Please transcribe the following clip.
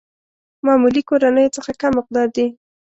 معمولي کورنيو څخه کم مقدار دي.